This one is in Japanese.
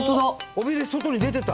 尾びれ外に出てた！